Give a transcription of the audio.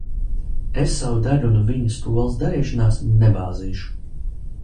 Es savu degunu viņa skolas darīšanās nebāzīšu.